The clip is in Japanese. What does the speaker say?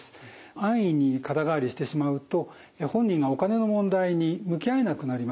安易に肩代わりしてしまうと本人がお金の問題に向き合えなくなります。